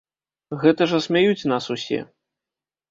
Гэта ж асмяюць нас усе!